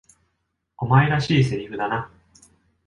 お前らしい台詞だな。